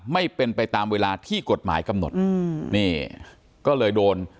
ไม่เป็นไปตามเวลาที่กฎหมายกำหนดนี่ก็เลยโดน